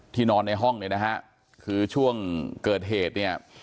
นอนในห้องเนี่ยนะฮะคือช่วงเกิดเหตุเนี่ย